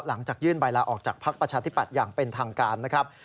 หลังจากยื่นใบลาออกจากภักดิ์ประชาธิปัตย์อย่างเป็นทางการนะครับ